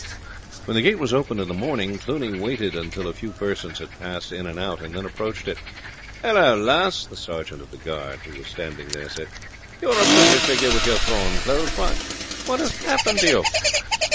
When the gate was opened in the morning Cluny waited until a few persons had passed in and out and then approached it. "Hallo! lass," the sergeant of the guard, who was standing there, said. "You are a pretty figure with your torn clothes! Why, what has happened to you?"